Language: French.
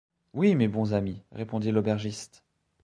Oui, mes bons amis, répondit l’aubergiste.